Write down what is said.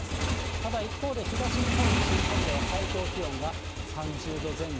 ただ一方で、東日本、西日本では最高気温が３０度前後。